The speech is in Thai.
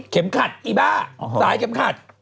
ขัดอีบ้าสายเข็มขัด